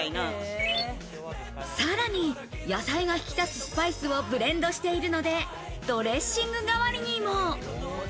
さらに野菜が引き立つスパイスをブレンドしているので、ドレッシング代わりにも。